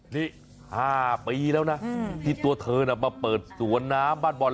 นี่๕ปีแล้วนะที่ตัวเธอน่ะมาเปิดสวนน้ำบ้านบอล